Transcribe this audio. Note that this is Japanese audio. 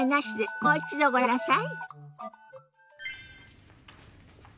もう一度ご覧ください。